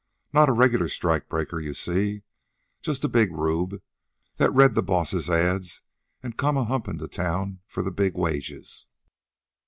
Not a regular strike breaker, you see, just a big rube that's read the bosses' ads an' come a humpin' to town for the big wages.